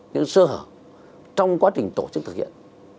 những sơ hở trong quá trình tổ chức thực hiện